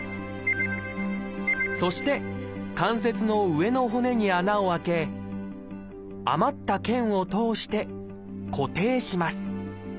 そして関節の上の骨に穴を開け余った腱を通して固定します。